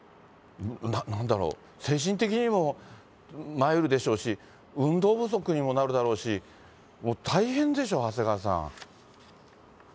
なんだろう、精神的にもまいるでしょうし、運動不足にもなるだろうし、もう大変でしょう、長谷川さん。